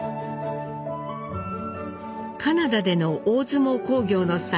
カナダでの大相撲興行の際